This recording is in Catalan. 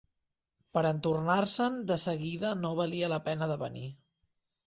Pera entornar-se'n desseguida no valia la pena de venir